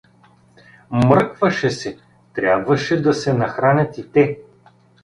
Мръкваше се, трябваше да се нахранят и те.